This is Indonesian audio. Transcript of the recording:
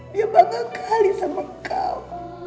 dia bangga sekali sama kau